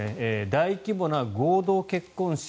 大規模な合同結婚式